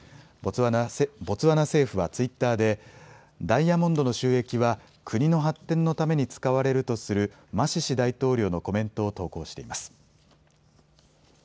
ボツワナ政府はツイッターでダイヤモンドの収益は国の発展のために使われるとするマシシ大統領のコメントを投稿しています。